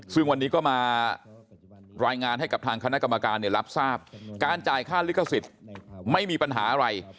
ซึ่งวันนี้ก็มารายงานให้กับทางคณะกรรมการรับทราบการจ่ายค่าลิขสิทธิ์ไม่มีปัญหาอะไร